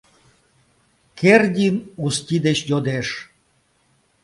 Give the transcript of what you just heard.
Кердин Усти деч йодеш: